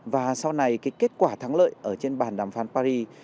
và sau này cái kết quả thắng lợi ở trên bàn đàm phán paris